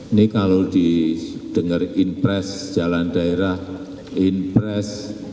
ini kalau didengar inpres jalan daerah impress